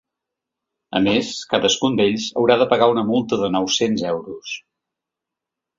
A més, cadascun d’ells haurà de pagar una multa de nou-cents euros.